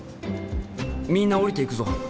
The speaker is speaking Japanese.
みんな降りていくぞ！